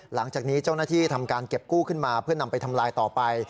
หลังจากนี้เจ้าหน้าที่ทำการเก็บกู้ขึ้นมาเพื่อนำไปทำลายต่อไป